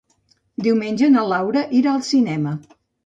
Diumenge na Laura irà al cinema.